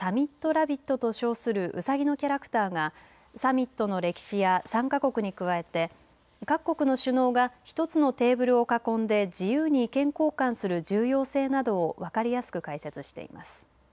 ☆ラビットと称するウサギのキャラクターがサミットの歴史や参加国に加えて各国の首脳が１つのテーブルを囲んで自由に意見交換する重要性などを分かりやすく解説しています。